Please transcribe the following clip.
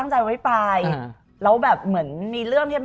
ไม่อาการพูดแล้ว